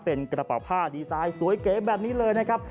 เป็นกระเป๋าผ้าดีไซน์สวยเก๋แบบนี้เลยนะครับ